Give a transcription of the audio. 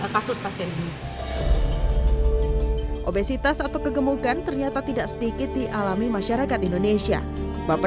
kasus kasus ini obesitas atau kegemukan ternyata tidak sedikit di alami masyarakat indonesia bapak